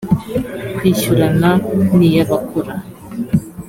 kwishyurana n iy abakora